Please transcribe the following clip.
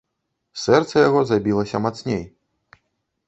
Сэрца яго забілася мацней.